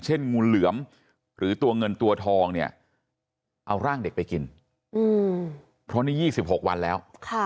กลัวทองเนี่ยเอาร่างเด็กไปกินพอนี้๒๖วันแล้ว